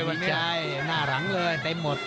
มีชัยหน้าหลังเลยแต่หมด